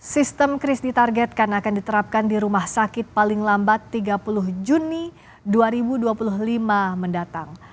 sistem kris ditargetkan akan diterapkan di rumah sakit paling lambat tiga puluh juni dua ribu dua puluh lima mendatang